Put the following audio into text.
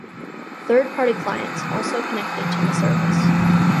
Third-party clients also connected to the service.